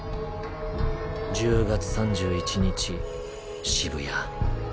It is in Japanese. １０月３１日渋谷。